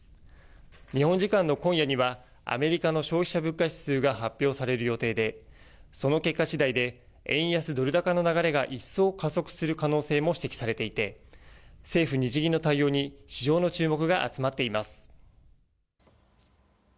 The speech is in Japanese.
日本時間の今夜にはアメリカの消費者物価指数が発表される予定でその結果しだいで円安ドル高の流れが一層、加速する可能性も指摘されていて政府・日銀の対応に市場の注目が集まっています。